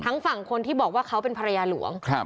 ทั้งฝั่งคนที่บอกว่าเขาเป็นภรรยาหลวงครับ